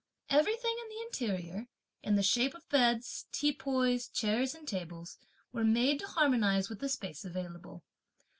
Everything in the interior, in the shape of beds, teapoys, chairs and tables, were made to harmonise with the space available.